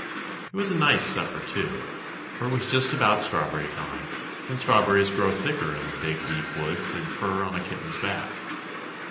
It was a nice supper, too, for it was just about strawberry time, and strawberries grow thicker in the Big Deep Woods than fur on a kitten's back.